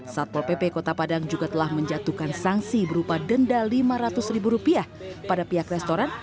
satpol pp kota padang juga telah menjatuhkan sanksi berupa denda lima ratus ribu rupiah pada pihak restoran